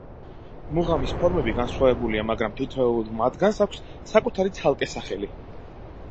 მუღამის ფორმები განსხვავებულია, მაგრამ თითოეულ მათგანს აქვს საკუთარი ცალკე სახელი.